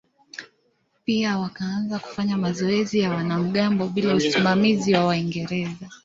Pia wakaanza kufanya mazoezi ya wanamgambo bila usimamizi wa Waingereza.